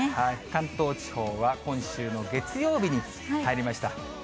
関東地方は、今週の月曜日に入りました。